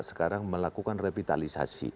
sekarang melakukan revitalisasi